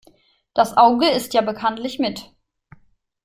Das Auge isst ja bekanntlich mit.